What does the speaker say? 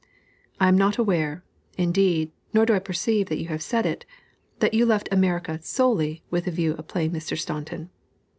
I am not aware, indeed (nor do I perceive that you have said it), that you left America solely with the view of playing Mr. Staunton.